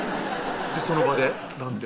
その場で何て？